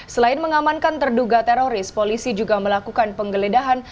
selain mengamankan terduga teroris polisi juga melakukan penggeledahan